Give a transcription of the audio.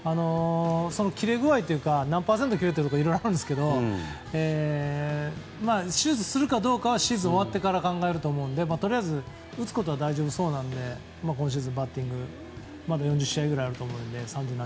切れ具合というか何パーセント切れているかとかいろいろあるんですけど手術するかどうかはシーズン終わってから考えると思うのでとりあえず打つことは大丈夫そうなので今シーズンまだ４０試合ぐらいあると思いますのでね。